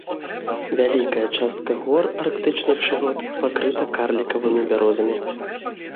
Вялікая частка гор арктычных шырот пакрыта карлікавымі бярозамі.